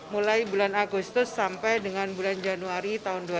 mulai bulan agustus sampai dengan bulan januari tahun dua ribu dua puluh